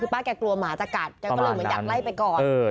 คือป้าแกกลัวหมาจะกัดก็เลยอยากไล่ไปก่อน